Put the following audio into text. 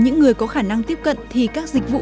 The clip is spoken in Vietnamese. những người có khả năng tiếp cận thì các dịch vụ